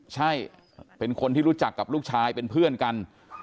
ใช่เป็นคนที่รู้จักกับลูกชายเป็นเพื่อนกัน